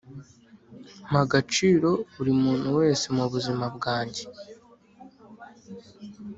Mpa agaciro buri muntu wese mubuzima bwanjye